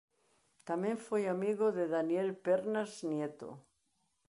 Tamén foi amigo de Daniel Pernas Nieto.